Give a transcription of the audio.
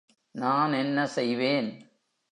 நான் என்ன செய்வேன்?